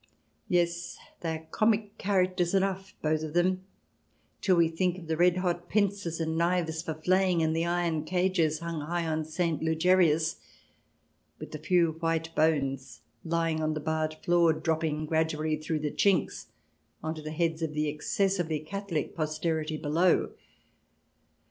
Yes, they are comic characters enough, both of them, till we think of the red hot pincers and knives for flaying and the iron cages hung high on St. Ludgerius, with the few white bones lying on the barred floor, dropping gradually through the chinks on to the heads of the exces sively Catholic posterity below.